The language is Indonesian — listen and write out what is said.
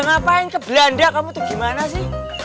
ngapain ke belanda kamu tuh gimana sih